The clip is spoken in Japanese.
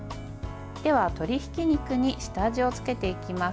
鶏ひき肉に下味をつけていきます。